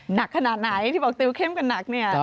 หนักขนาดไหนที่บอกติวเข้มกันหนักเนี่ย